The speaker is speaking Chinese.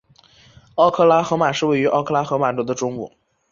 奥克拉荷马市位于奥克拉荷马州的中部。